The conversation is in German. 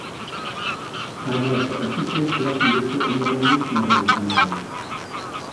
Einmal veröffentlicht, lassen sich die Änderungen nicht mehr revidieren.